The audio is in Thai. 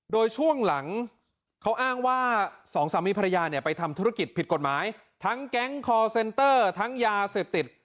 โดยช่วงหลังเขาอ้างว่าสองสามีภรรยาเนี่ยไปทำธุรกิจผิดกฎหมายทั้งแก๊งคอร์เซนเตอร์ทั้งยาเสพติด